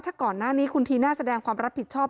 ถ้าเปล่านี้คุณทีน่าแสดงความรับผิดชอบ